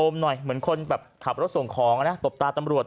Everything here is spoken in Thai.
หน่อยเหมือนคนแบบขับรถส่งของนะตบตาตำรวจ